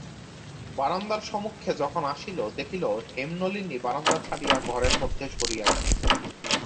বারান্দার সম্মুখে যখন আসিল, দেখিল হেমনলিনী বারান্দা ছাড়িয়া ঘরের মধ্যে সরিয়া গেছে।